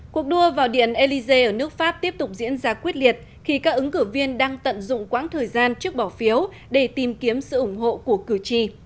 cuộc đua vào điện élysée ở nước pháp tiếp tục diễn ra quyết liệt khi các ứng cử viên đang tận dụng quãng thời gian trước bỏ phiếu để tìm kiếm sự ủng hộ của cử tri